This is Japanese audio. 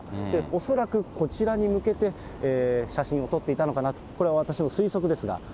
恐らくこちらに向けて写真を撮っていたのかなと、これは私の推測ですが。